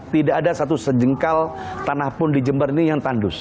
tidak ada satu sejengkal tanah pun di jember ini yang tandus